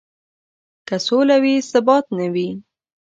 که سوله وي او ثبات نه وي.